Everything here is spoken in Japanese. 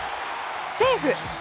セーフ！